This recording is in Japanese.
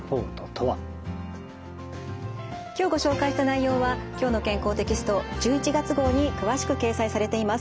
今日ご紹介した内容は「きょうの健康」テキスト１１月号に詳しく掲載されています。